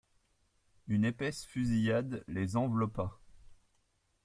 Une épaisse fusillade les enveloppa.